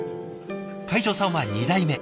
会長さんは２代目。